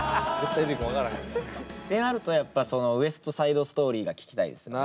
ってなるとやっぱそのウエストサイドストーリーが聞きたいですね。